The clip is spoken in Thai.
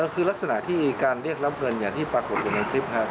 คือลักษณะที่การเรียกรับเงินอย่างที่ปรากฏอยู่ในคลิปครับ